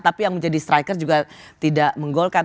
tapi yang menjadi striker juga tidak menggolkan